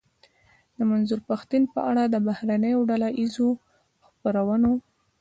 د منظور پښتين په اړه د بهرنيو ډله ايزو خپرونو.